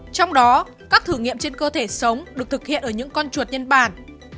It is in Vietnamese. trong đó các thử nghiệm trên cơ thể sống được thực hiện ở những con chuột nhân bản